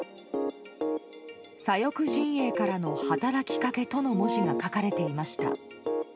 左翼陣営の働きかけとの文字が書かれていました。